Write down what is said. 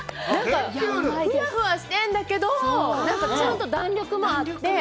ふわふわしてるんだけど、なんか、ちゃんと弾力もあって。